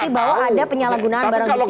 tapi bahwa ada penyalahgunaan barang bukti